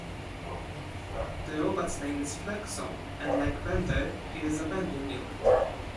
The robot's name is Flexo, and like Bender, he is a bending unit.